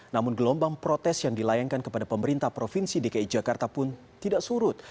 namun gelombang protes yang dilayangkan kepada pemerintah provinsi dki jakarta pun tidak surut